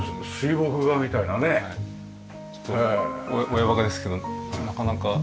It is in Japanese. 親バカですけどなかなか。